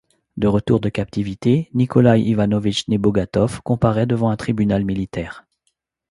De retour de captivité, Nikolaï Ivanovitch Nebogatov comparaît devant un tribunal militaire.